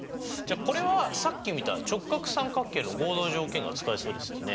これはさっき見た直角三角形の合同条件が使えそうですよね。